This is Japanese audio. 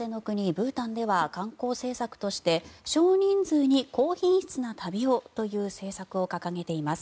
ブータンでは観光政策として少人数に高品質な旅をという政策を掲げています。